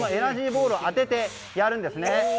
ボールを当ててやるんですね。